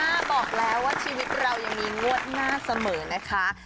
บอกแล้วว่าชีวิตเรายังมีงวดหน้าเสมอนะคะ